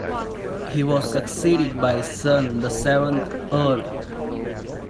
He was succeeded by his son, the seventh Earl.